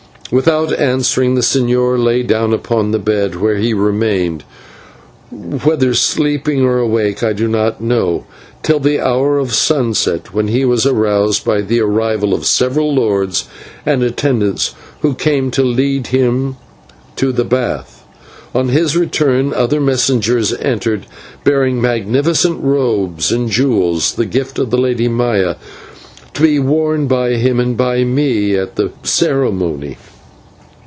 Without answering, the señor lay down upon the bed, where he remained whether sleeping or awake I do not know till the hour of sunset, when he was aroused by the arrival of several lords and attendants who came to lead him to the bath. On his return other messengers entered, bearing magnificent robes and jewels, the gift of the Lady Maya, to be worn by him and by me at the ceremony.